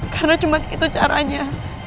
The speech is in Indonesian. karena cuma itu caranya